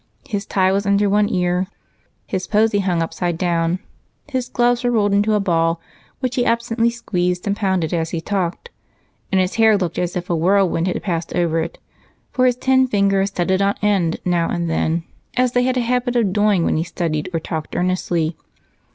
His tie was under one ear, his posy hung upside down, his gloves were rolled into a ball, which he absently squeezed and pounded as he talked, and his hair looked as if a whirlwind had passed over it, for his ten fingers set it on end now and then, as they had a habit of doing when he studied or talked earnestly.